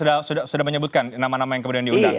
tadi anda sudah menyebutkan nama nama yang kemudian diundang